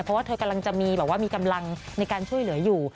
เพราะว่าเธอกำลังจะมีแบบว่ามีกำลังในการช่วยเหลืออยู่